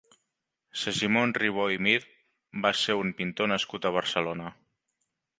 Segimon Ribó i Mir va ser un pintor nascut a Barcelona.